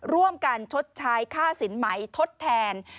ร่วมกันชดใช้ค่าสินไหมทดแทน